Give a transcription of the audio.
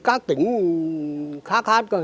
các tỉnh khác khác rồi